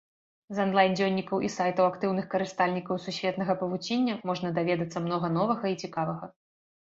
З анлайн-дзённікаў і сайтаў актыўных карыстальнікаў сусветнага павуціння можна даведацца многа новага і цікавага.